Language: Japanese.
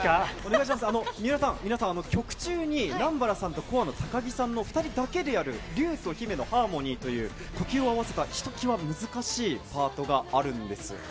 水卜さん、皆さん、曲中に南原さんと鼓和ーｃｏｒｅーの高木さんの２人だけでやる竜と姫のハーモニーという、呼吸を合わせた、ひときわ難しいパートがあるんです。